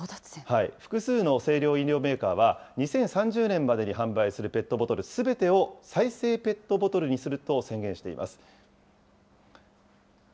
複数の清涼飲料メーカーは、２０３０年までに販売するペットボトルすべてを再生ペットボトルにすると宣言しています。